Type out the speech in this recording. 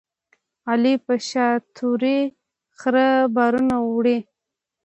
علي په شاتوري خره بارونه وړي.